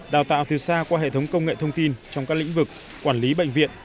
đào tạo từ xa qua hệ thống công nghệ thông tin trong các lĩnh vực quản lý bệnh viện